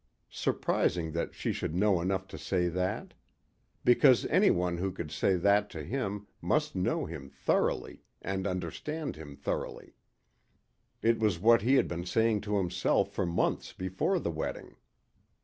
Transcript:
Surprising that she should know enough to say that. Because anyone who could say that to him must know him thoroughly and understand him thoroughly. It was what he had been saying to himself for months before the wedding.